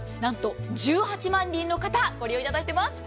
１８万人の方ご利用いただいています。